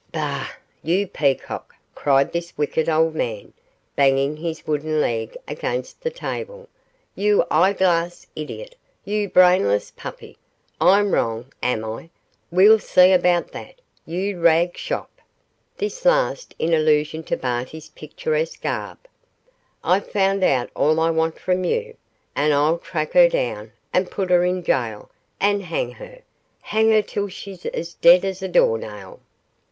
'Bah! you peacock,' cried this wicked old man, banging his wooden leg against the table, 'you eye glass idiot you brainless puppy I'm wrong, am I? we'll see about that, you rag shop.' This last in allusion to Barty's picturesque garb. 'I've found out all I want from you, and I'll track her down, and put her in gaol, and hang her hang her till she's as dead as a door nail.